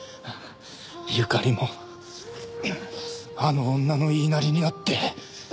友加里もあの女の言いなりになって。